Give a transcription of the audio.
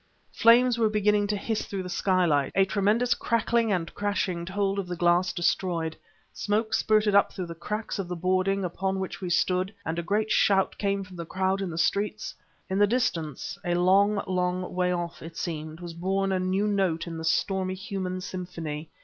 Flames were beginning to hiss through the skylight. A tremendous crackling and crashing told of the glass destroyed. Smoke spurted up through the cracks of the boarding upon which we stood and a great shout came from the crowd in the streets.... In the distance a long, long way off, it seemed was born a new note in the stormy human symphony.